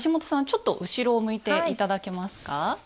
ちょっと後ろを向いて頂けますか。